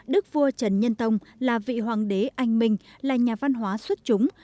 đức vua trần nhân tông là vị hoàng đế anh mình là nhà văn hóa xuất trúng